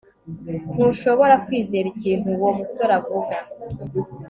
Ntushobora kwizera ikintu uwo musore avuga